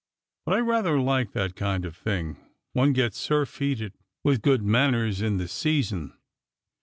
But I rather like that kind of thing; one gets surfeited with good manners in the season."